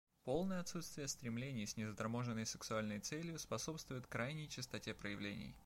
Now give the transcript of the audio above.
Полное отсутствие стремлений с незаторможенной сексуальной целью способствует крайней чистоте проявлений.